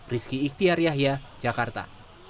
rizky ikhtiar yahya jakarta